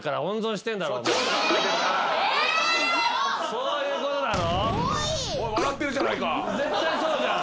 そういうことだろ？